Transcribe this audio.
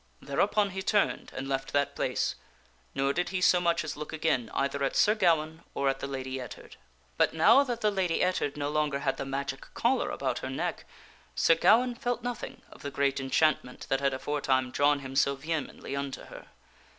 Thereupon he turned and left that place, nor did he so much as look again either at Sir Gawaine or at the Lady Ettard. But, now that the Lady Ettard no longer had the magic collar about her neck, Sir Gawaine felt nothing of the great enchantment that had afore time drawn him so vehemently unto her.